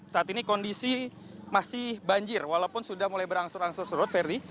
saat ini kondisi masih banjir walaupun sudah mulai berangsur angsur surut verdi